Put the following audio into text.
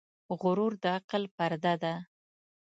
غرور د عقل پرده ده .